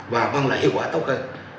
và văn lợi hiệu quả tốt hơn